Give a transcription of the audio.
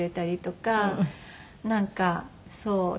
なんかそう。